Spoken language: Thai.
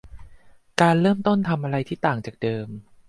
การเริ่มต้นทำอะไรที่ต่างจากเดิม